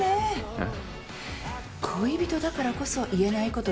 えっ？